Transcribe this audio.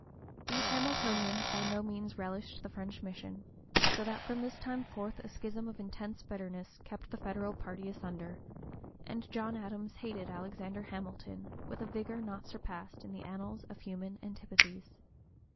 These Hamiltonians by no means relished the French mission, so that from this time forth a schism of intense bitterness kept the Federal party asunder, and John Adams hated Alexander Hamilton with a vigor not surpassed in the annals of human antipathies.